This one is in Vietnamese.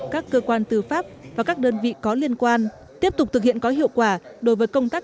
các cơ quan tư pháp và các đơn vị có liên quan tiếp tục thực hiện có hiệu quả đối với công tác